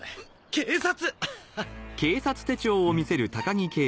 警察！？